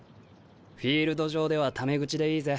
フィールド上ではため口でいいぜ。